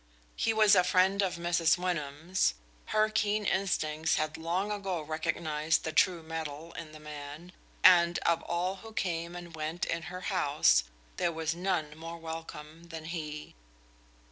He was a friend of Mrs. Wyndham's; her keen instincts had long ago recognized the true metal in the man, and of all who came and went in her house there was none more welcome than he.